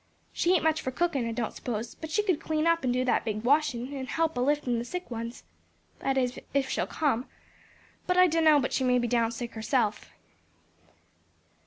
"She ain't much for cookin' I don't suppose, but she could clean up and do that big washin', and help a liftin' the sick ones. That is if she'll come; but I dunno but she may be down sick herself."